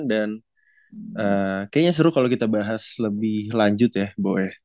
dan kayaknya seru kalo kita bahas lebih lanjut ya boe